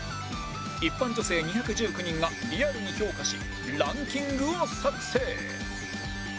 一般女性２１９人がリアルに評価しランキングを作成！